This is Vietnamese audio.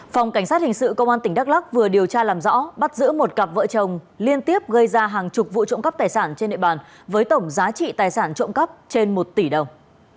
phòng cảnh sát hình sự công an tỉnh đắk lắc vừa điều tra làm rõ bắt giữ một cặp vợ chồng liên tiếp gây ra hàng chục vụ trộm cắp tài sản trên địa bàn với tổng giá trị tài sản trộm cắp trên một tỷ đồng